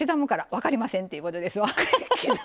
分かりません。